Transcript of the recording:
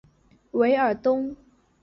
韦尔东。